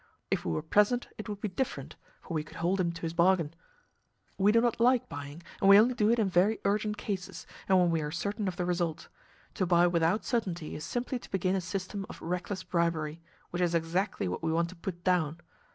If we were present it would be different, for we could hold him to his bargain. "We do not like buying, and we only do it in very urgent cases, and when we are certain of the result. To buy without certainty is simply to begin a system of reckless bribery, which is exactly what we want to put down.